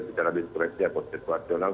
secara diskresi apa situasional